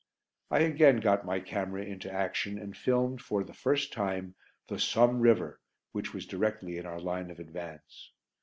I again got my camera into action and filmed, for the first time, the Somme river which was directly in our line of advance.